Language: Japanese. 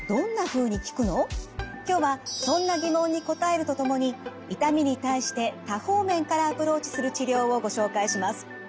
今日はそんな疑問に答えるとともに痛みに対して多方面からアプローチする治療をご紹介します。